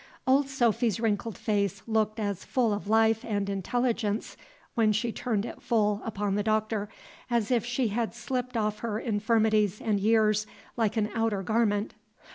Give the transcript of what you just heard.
Old Sophy's wrinkled face looked as full of life and intelligence, when she turned it full upon the Doctor, as if she had slipped off her infirmities and years like an outer garment.